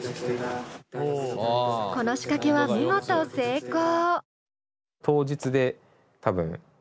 この仕掛けは見事成功。